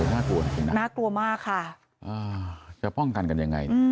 น่ากลัวนะน่ากลัวมากค่ะจะป้องกันกันยังไง